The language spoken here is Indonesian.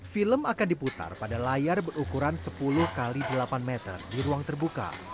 film akan diputar pada layar berukuran sepuluh x delapan meter di ruang terbuka